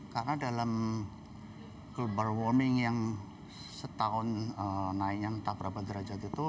karena dalam global warming yang setahun naiknya entah berapa derajat itu